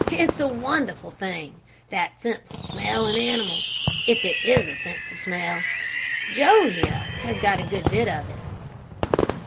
It's a wonderful thing, that sense of smell in animals, if it is a sense of smell. Joe here has got a good bit of it."